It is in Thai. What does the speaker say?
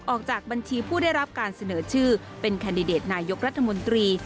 ออกจากบัญชีผู้ได้รับการเสนอชื่อเป็นแคนดิเดตนายกรัฐมนตรี